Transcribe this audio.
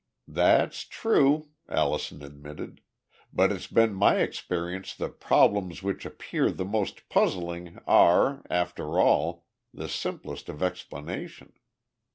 "That's true," Allison admitted, "but it's been my experience that problems which appear the most puzzling are, after all, the simplest of explanation.